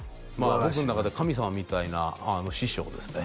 僕の中で神様みたいな師匠ですね